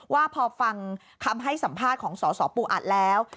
ว่าพอฟังคำให้สัมภาษณ์ของสสปูอัดแล้ว